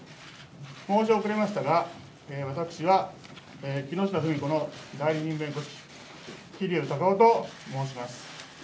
申し遅れましたが、私は木下富美子の代理人弁護士、きりゅうたかおと申します。